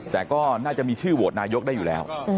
แต่ก็น่าจะมีชื่อโหวตนายกได้อยู่แล้ว